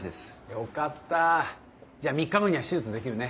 よかったじゃあ３日後には手術できるね。